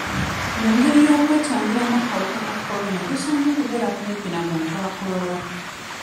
Mu ngeri y'okwetangiramu akawuka ka Corona tosaanye kubeera kumpi na muntu akolola